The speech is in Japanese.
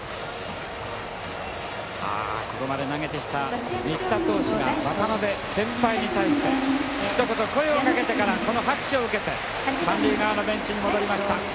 ああここまで投げてきた新田投手が渡部先輩に対してひと言声をかけてからこの拍手を受けて３塁側のベンチに戻りました。